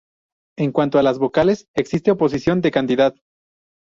En cuanto a las vocales existe oposición de cantidad.